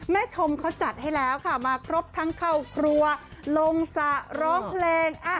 แม่ชมเค้าจัดให้แล้วค่ะมาครบทั้งเข้าครัวโรงสารโรคเพลง